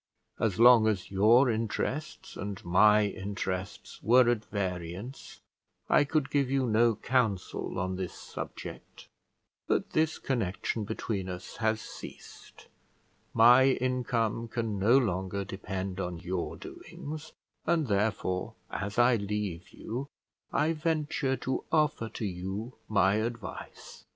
As long as your interests and my interests were at variance, I could give you no counsel on this subject; but the connection between us has ceased; my income can no longer depend on your doings, and therefore, as I leave you, I venture to offer to you my advice."